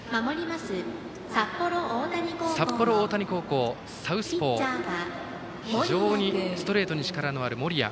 札幌大谷高校、サウスポー非常にストレートに力のある森谷。